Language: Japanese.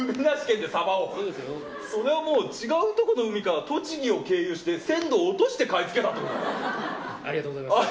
それはもう違うとこの海から栃木を経由して鮮度落としてありがとうございます。